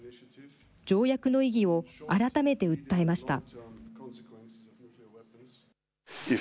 条約の意義を改めて訴えました。